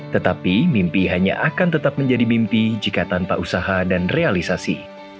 tetapi mimpi hanya akan tetap menjadi mimpi jika tanpa usaha dan realisasi